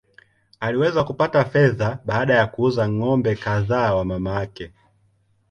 Aliweza kupata fedha baada ya kuuza ng’ombe kadhaa wa mamake.